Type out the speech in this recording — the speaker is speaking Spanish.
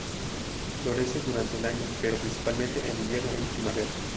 Florece durante el año, pero principalmente en invierno y primavera.